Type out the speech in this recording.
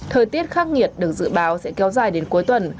thời tiết khắc nghiệt được dự báo sẽ kéo dài đến cuối tuần